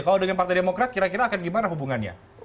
kalau dengan partai demokrat kira kira akan gimana hubungannya